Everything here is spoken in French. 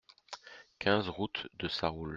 quinze route de Sarroul